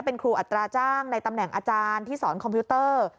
เป็นครูอัตราจ้างในตำแหน่งอาจารย์ที่สอนคอมพิวเตอร์